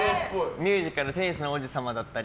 ミュージカル「テニスの王子様」だったり